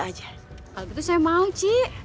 kalau gitu saya mau cik